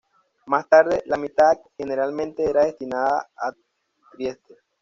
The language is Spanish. Más tarde, la mitad generalmente era destinada a Trieste.